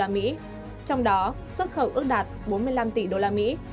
trong đó xuất khẩu ước đạt bốn mươi năm tỷ usd